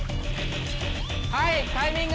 はい。